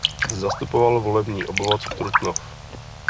Zastupoval volební obvod Trutnov.